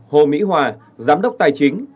hồ mỹ hòa giám đốc tài chính